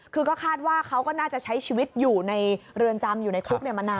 คือก็คาดว่าเขาก็น่าจะใช้ชีวิตอยู่ในเรือนจำอยู่ในคุกมานาน